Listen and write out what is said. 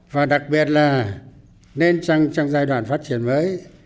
và đặc biệt là nên trong giai đoạn phát triển mới